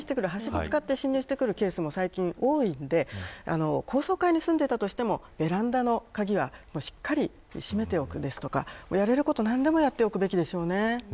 はしごを使って侵入してくるケースも最近多いので高層階に住んでいたとしてもベランダの鍵はしっかり閉めておくとかやれること何でもやっておくべきですよね。